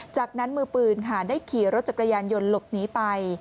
จากนั้นมือปืนค่ะได้ขี่รถจักรยานยนต์หลบหนีไป